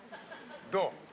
・・どう？